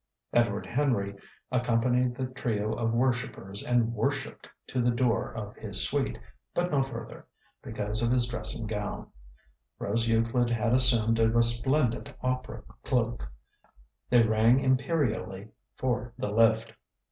Edward Henry accompanied the trio of worshippers and worshipped to the door of his suite, but no further, because of his dressing gown. Rose Euclid had assumed a resplendent opera cloak. They rang imperially for the lift.